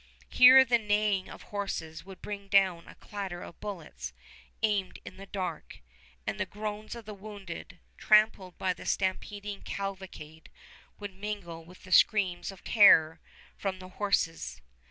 Here the neighing of horses would bring down a clatter of bullets aimed in the dark; and the groans of the wounded, trampled by the stampeding cavalcade, would mingle with the screams of terror from the horses.